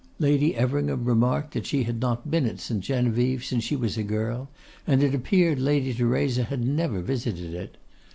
Lady Everingham remarked that she had not been at St. Genevieve since she was a girl, and it appeared Lady Theresa had never visited it.